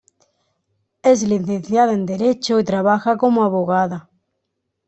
Es licenciada en Derecho y trabaja como abogada.